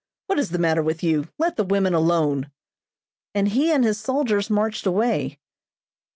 What is the matter with you? Let the women alone," and he and his soldiers marched away.